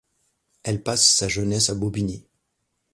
Elle passe sa jeunesse à Bobigny.